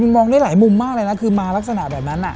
มองได้หลายมุมมากเลยนะคือมาลักษณะแบบนั้น